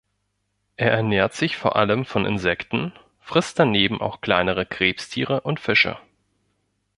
Er ernährt sich vor allem von Insekten, frisst daneben auch kleine Krebstiere und Fische.